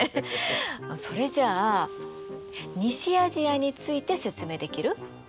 それじゃあ西アジアについて説明できる？